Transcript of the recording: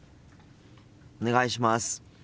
お願いします。